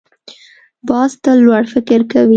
باز تل لوړ فکر کوي